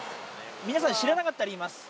皆さん知らなかったら言います。